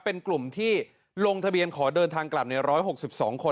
เป็นกลุ่มที่ลงทะเบียนขอเดินทางกลับใน๑๖๒คน